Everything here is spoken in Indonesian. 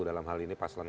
dalam hal ini paslon satu